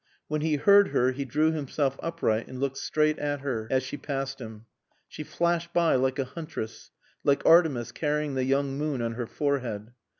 When he heard her he drew himself upright and looked straight at her as she passed him. She flashed by like a huntress, like Artemis carrying the young moon on her forehead.